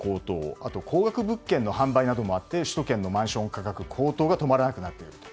あと、高額物件の販売などもあって首都圏のマンション価格高騰が止まらなくなっていると。